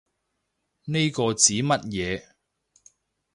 呢個指乜嘢